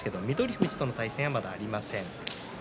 富士との対戦がありません。